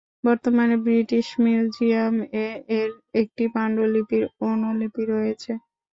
বর্তমানে ব্রিটিশ মিউজিয়াম-এ এর একটি পাণ্ডুলিপির অনুলিপি রয়েছে।